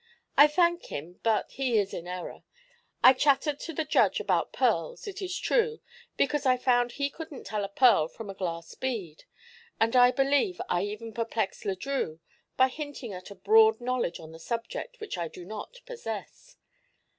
"I thank him; but he is in error. I chattered to the judge about pearls, it is true, because I found he couldn't tell a pearl from a glass bead; and I believe I even perplexed Le Drieux by hinting at a broad knowledge on the subject which I do not possess.